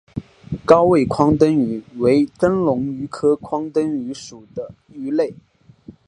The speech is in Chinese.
高位眶灯鱼为灯笼鱼科眶灯鱼属的鱼类。